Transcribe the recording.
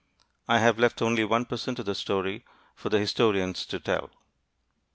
I have left only 1 per cent of the story for the historians to tell.